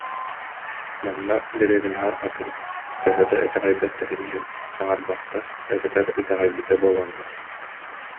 Манна дэриэбинэҕэ атын, төһө да итэҕэйбэттэрин иһин, саҥарбаттар эбэтэр итэҕэйбитэ буолаллар